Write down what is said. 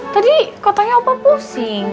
tadi kau tanya opo pusing